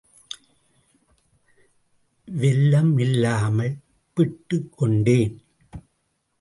வெல்லம் இல்லாமல் பிட்டுக் கொண்டேன்.